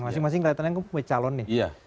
masing masing kelihatannya kue calon nih